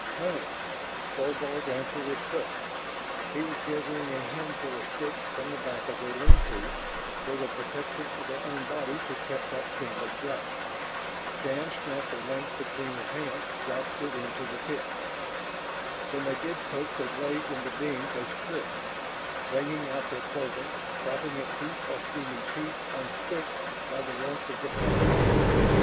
"Hunting." Thorvald's answer was clipped. He was gathering a handful of sticks from the back of their lean to, where the protection of their own bodies had kept that kindling dry. Shann snapped a length between his hands, dropped it into the pit. When they did coax a blaze into being they stripped, wringing out their clothing, propping it piece by steaming piece on sticks by the warmth of the flames.